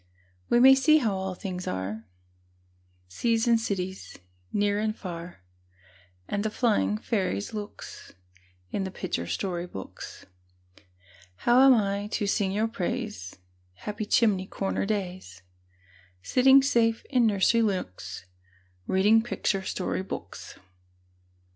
We may see how all things are, Seas and cities, near and far, And the flying fairies' looks, In the picture story books. How am I to sing your praise, Happy chimney corner days, Sitting safe in nursery nooks, Reading picture story books?